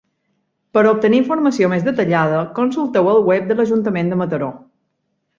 Per obtenir informació més detallada consulteu el web de l'Ajuntament de Mataró.